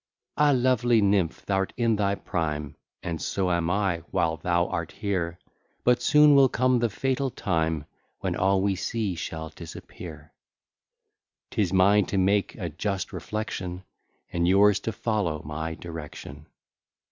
Ah! lovely nymph, thou'rt in thy prime! And so am I, while thou art here; But soon will come the fatal time, When all we see shall disappear. 'Tis mine to make a just reflection, And yours to follow my direction.